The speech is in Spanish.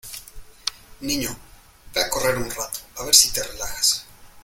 Niño, ve a correr un rato, a ver si te relajas.